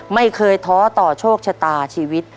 ไม่เคยท้อต่อโชคชะตาชีวิต